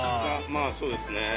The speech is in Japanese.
まぁそうですね。